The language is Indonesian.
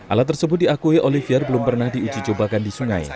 alat tersebut diakui olivier belum pernah diuji cobakan di sungai